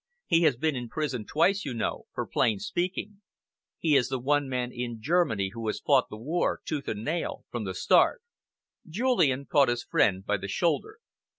"He has been in prison twice, you know, for plain speaking. He is the one man in Germany who has fought the war, tooth and nail, from the start." Julian caught his friend by the shoulder.